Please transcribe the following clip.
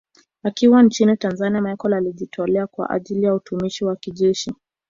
Akiwa nchini Tanzania Machel alijitolea kwa ajili ya utumishi wa kijeshi